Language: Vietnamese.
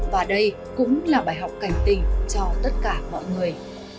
và đây cũng là bài học cảnh tình cho tất cả mọi người